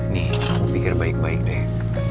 nih aku pikir baik baik deh